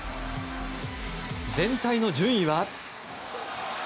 全体の順位は。